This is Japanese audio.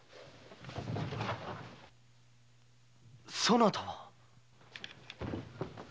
そなたは？